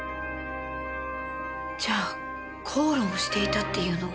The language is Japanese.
じゃあ口論をしていたっていうのは。